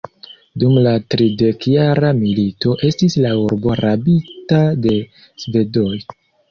Dum la tridekjara milito estis la urbo rabita de svedoj.